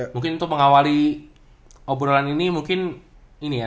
mungkin untuk mengawali obrolan ini mungkin ini ya